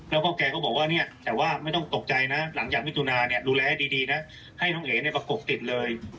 แล้วก็แกก็บอกว่าเนี่ยแต่ว่าไม่ต้องตกใจนะหลังจากมิถุนาเนี่ยดูแลให้ดีนะให้น้องเอ๋เนี่ยประกบติดเลย